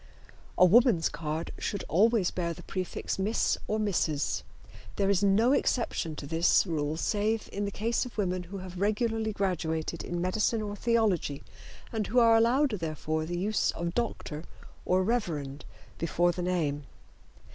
A woman's card should always bear the prefix "Miss" or "Mrs." There is no exception to this rule save in the case of women who have regularly graduated in medicine or theology and who are allowed therefore the use of "Dr." or "Rev." before the name.